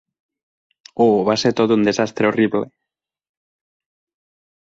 Oh, va ser tot un desastre horrible.